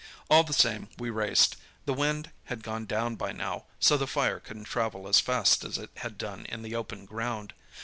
"All the same, we raced. The wind had gone down by now, so the fire couldn't travel as fast as it had done in the open ground.